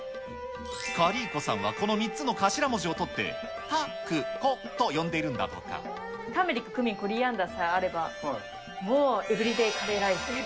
カリー子さんはこの３つの頭文字を取って、タクコと呼んでいターメリック、クミン、コリアンダーさえあれば、もうエブリデーカレーライス。